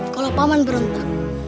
kalau paman berontak